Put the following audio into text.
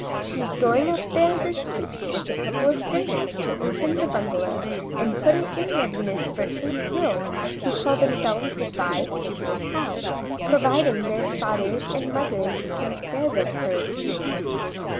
She is going up there this week with a couple of servants to open the bungalow and put it in readiness for eight girls who call themselves the Phi Sigma Tau, providing their fathers and mothers can spare them for a few weeks.